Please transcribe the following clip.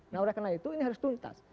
nah oleh karena itu ini harus tuntas